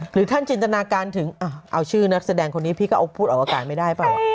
หรือท่านจินตนาการถึงเอาชื่อนักแสดงคนนี้พี่ก็เอาพูดออกอากาศไม่ได้เปล่า